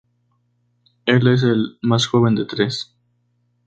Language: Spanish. Él es el más joven de tres.